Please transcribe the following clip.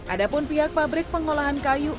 ada pun pihak pabrik pengolahan kayu